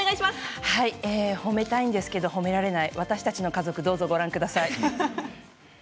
褒めたいんですけど褒められない私たちの家族をどうぞご覧ください。